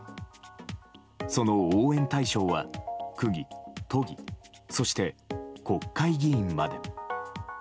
その応援対象は区議、都議そして、国会議員まで。